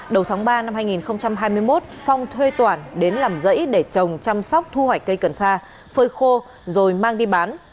đầu tháng ba năm hai nghìn hai mươi một phong thuê toàn đến làm dãy để trồng chăm sóc thu hoạch cây cần sa phơi khô rồi mang đi bán